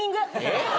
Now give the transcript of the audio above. えっ？